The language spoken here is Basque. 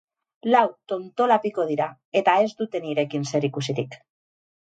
Lau tontolapiko dira, eta ez dute nirekin zerikusirik.